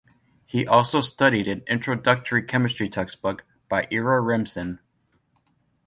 He also studied an introductory chemistry textbook by Ira Remsen.